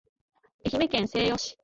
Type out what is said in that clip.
愛媛県西予市